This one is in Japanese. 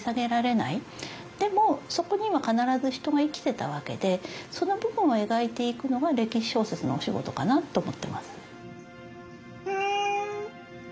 でもそこには必ず人が生きてたわけでその部分を描いていくのが歴史小説のお仕事かなと思ってます。